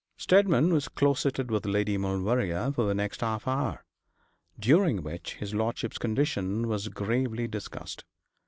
Steadman was closeted with Lady Maulevrier for the next half hour, during which his lordship's condition was gravely discussed.